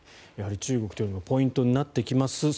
やはり中国というのがポイントになってきます。